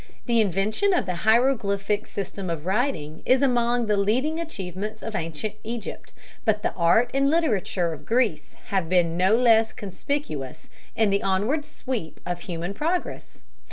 The invention of the hieroglyphic system of writing is among the leading achievements of ancient Egypt, but the art and literature of Greece have been no less conspicuous in the onward sweep of human progress.